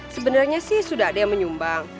sebenarnya sih sudah ada yang menyumbang